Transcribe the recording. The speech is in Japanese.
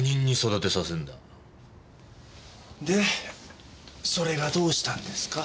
でそれがどうしたんですか？